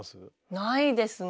ないですね。